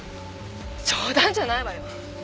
冗談じゃないわよ。